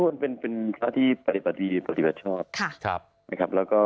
หลวงพ่อกูเป็นคราวที่ปัดิบัตรดีปัดิบัตรชอบ